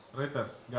pak ada hubungannya pak